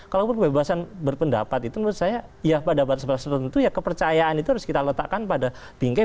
kalaupun kebebasan berpendapat itu menurut saya ya pada batas batas tertentu ya kepercayaan itu harus kita letakkan pada bingkai